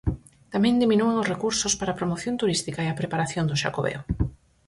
Tamén diminúen os recursos para a promoción turística e a preparación do Xacobeo.